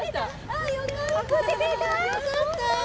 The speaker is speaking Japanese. よかった。